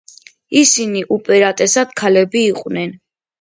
ისინი უპირატესად ქალები იყვნენ.